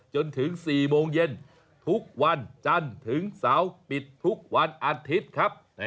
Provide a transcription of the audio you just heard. จนถึง๔โมงเย็นทุกวันจันทร์ถึงเสาร์ปิดทุกวันอาทิตย์ครับ